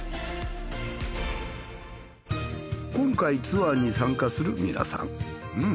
今回ツアーに参加する皆さん。